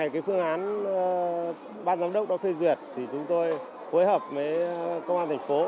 khi ban giám đốc đã phê duyệt chúng tôi hối hợp với công an thành phố